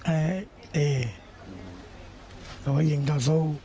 เอ่อเอ่อเขาว่าหยิงต่อสู้